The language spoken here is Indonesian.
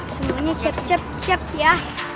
semuanya siap siap ya